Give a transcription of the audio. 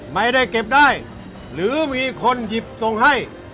ไม่ได้เก็บได้หรือมีคนหยิบส่งให้